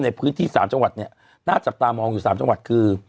ในพื้นที่๓จังหวัดเนี่ยน่าจับตามองอยู่๓จังหวัดคือ